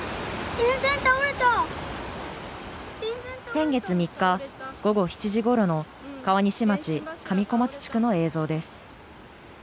先月３日、午後７時ごろの川西町上小松地区の映像です。